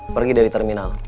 pergi dari terminal